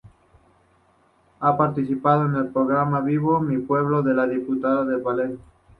Ha participado en el programa Vivo Mi Pueblo de la Diputación de Palencia.